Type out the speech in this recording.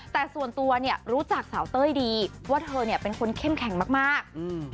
แต่ส่วนตัวเนี่ยรู้จักสาวเต้ยดีว่าเธอเนี่ยเป็นคนเข้มแข็งมากมากอืม